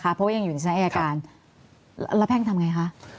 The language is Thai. เพราะว่ายังอยู่ในสถานการณ์แล้วแพงทำไงคะ